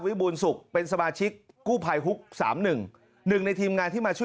บูรณสุขเป็นสมาชิกกู้ภัยฮุกสามหนึ่งหนึ่งในทีมงานที่มาช่วย